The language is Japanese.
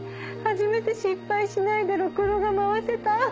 初めて失敗しないでろくろが回せた。